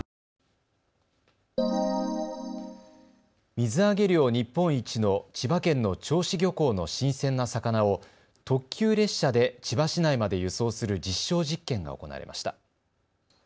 水揚げ量日本一の千葉県の銚子漁港の新鮮な魚を特急列車で千葉市内まで輸送する実証実験が行われました。